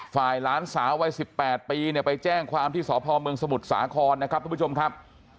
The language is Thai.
หลานสาววัย๑๘ปีเนี่ยไปแจ้งความที่สพเมืองสมุทรสาครนะครับทุกผู้ชมครับ